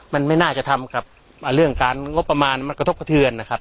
มันไม่น่าจะทำกับเรื่องการงบประมาณมันกระทบกระเทือนนะครับ